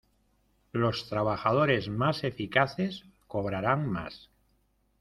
Los trabajadores más eficaces cobrarán más.